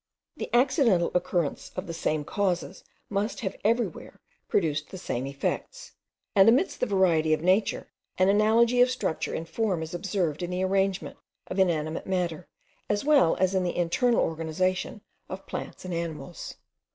The accidental concurrence of the same causes must have everywhere produced the same effects; and amidst the variety of nature, an analogy of structure and form is observed in the arrangement of inanimate matter, as well as in the internal organization of plants and of animals.